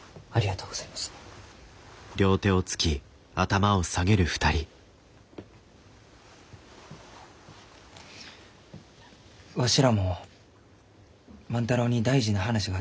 わしらも万太郎に大事な話があって来たがじゃ。